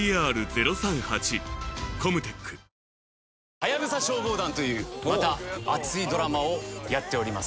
『ハヤブサ消防団』というまた熱いドラマをやっております。